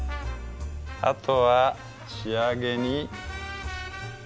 あとは仕上げに。